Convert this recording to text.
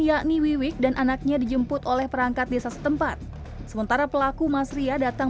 yakni wiwik dan anaknya dijemput oleh perangkat desa setempat sementara pelaku mas ria datang